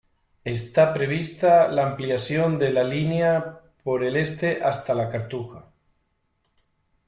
Está prevista la ampliación de la línea por el este hasta La Cartuja.